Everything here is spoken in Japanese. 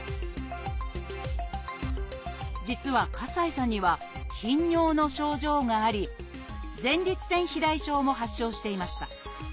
実は西さんには頻尿の症状があり前立腺肥大症も発症していました。